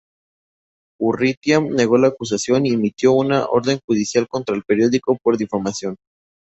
Urrutia negó la acusación y emitió una orden judicial contra el periódico por difamación.